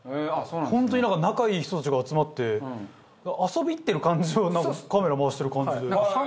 本当になんか仲いい人たちが集まって遊びに行ってる感じをカメラ回してる感じで。